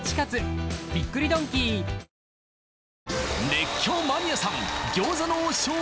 熱狂マニアさん